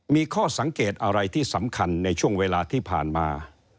มีข้อสังเกตอะไรที่สำคัญในช่วงเวลาที่ผ่านมา